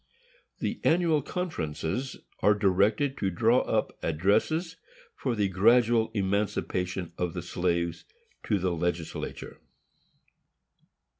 The Annual Conferences are directed to draw up addresses, for the gradual emancipation of the slaves, to the legislature.